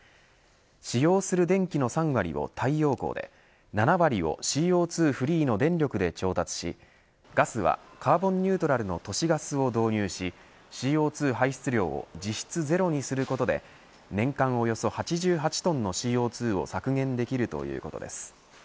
使用する電気の３割を太陽光で７割をＣＯ２フリーの電力で調達しガスはカーボンニュートラルの都市ガスを導入しＣＯ２排出量を実質ゼロにすることで年間およそ８８トンのＣＯ２を削減できるということです。